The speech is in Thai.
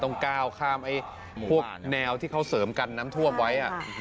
ต้องก้าวข้ามพวกแนวที่เขาเสริมกันน้ำท่วมไว้